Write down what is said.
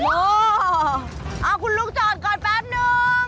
เอาคุณลุงจอดก่อนแป๊บหนึ่ง